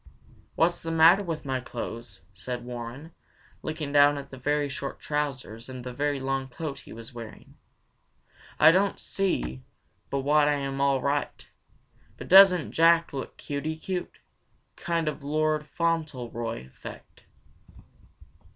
"What's the matter with my clothes?" said Warren, looking down at the very short trousers and very long coat he was wearing. "I don't see but what I am all right, but doesn't Jack look cuty cute? Kind of Lord Fauntleroy effect!"